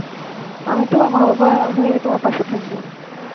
আমি তোমার মা বাবা হয়ে তোমার পাশে থাকব।